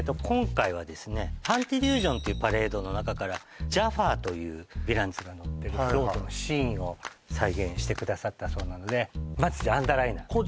今回はですね「ファンティリュージョン！」っていうパレードの中からジャファーというヴィランズが乗ってるフロートのシーンを再現してくださったそうなのでまずじゃあアンダーライナー